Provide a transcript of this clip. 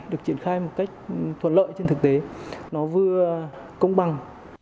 được triển khai một cách thuận lợi trên thực tế nó vừa công bằng